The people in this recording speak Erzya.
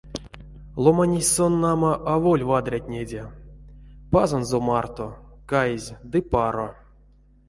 Ломанесь сон, нама, аволь вадрятнеде, пазонзо марто, каизь, ды паро.